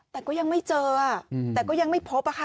แต่ก็ยังไม่เจอแต่ก็ยังไม่พบค่ะ